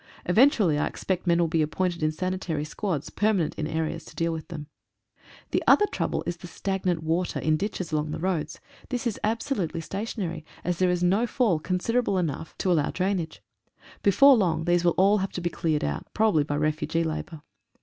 Eventually I expect men will be appointed in sanitary squads, permanent in areas, to deal with them. The other trouble is the stagnant water in ditches along the roads. This is absolutely station ary, as there is no fall considerable enough to allow 55 MORE LECTURES. drainage. Before long these will all have to be cleared out, probably by refugee labour.